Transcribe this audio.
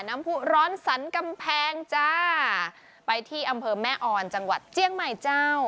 ผู้ร้อนสรรกำแพงจ้าไปที่อำเภอแม่อ่อนจังหวัดเจียงใหม่เจ้า